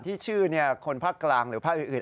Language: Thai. ที่ชื่อคนพรรจ์กลางหรือพรรจ์อื่น